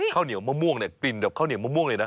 ข้าวเหนียวมะม่วงเนี่ยกลิ่นแบบข้าวเหนียวมะม่วงเลยนะ